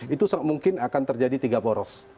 itu mungkin akan terjadi tiga poros